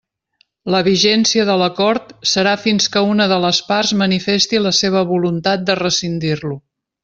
La vigència de l'Acord serà fins que una de les parts manifesti la seva voluntat de rescindir-lo.